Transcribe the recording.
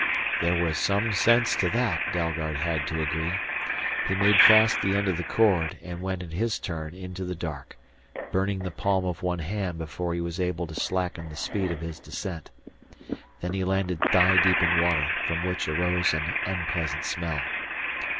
There was some sense to that, Dalgard had to agree. He made fast the end of the cord and went in his turn into the dark, burning the palm of one hand before he was able to slacken the speed of his descent. Then he landed thigh deep in water, from which arose an unpleasant smell.